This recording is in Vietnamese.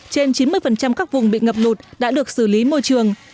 trên chín mươi các vùng bị ngập lụt đã được xử lý môi trường